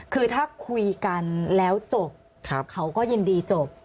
คือถ้าคุยกันแล้วจบเขาก็ยินดีจบ